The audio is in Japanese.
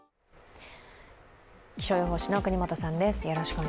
気象予報士の國本さんです。